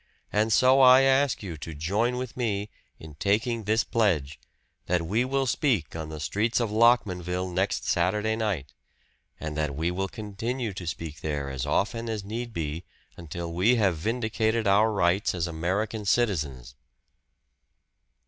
And so I ask you to join with me in taking this pledge that we will speak on the streets of Lockmanville next Saturday night, and that we will continue to speak there as often as need be until we have vindicated our rights as American citizens."